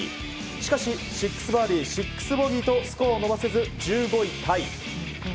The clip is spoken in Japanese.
しかし６バーディー、６ボギーとスコアを伸ばせず１５位タイ。